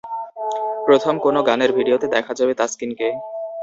প্রথম কোনো গানের ভিডিওতে দেখা যাবে তাসকিনকে।